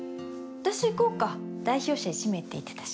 私行こうか代表者１名って言ってたし。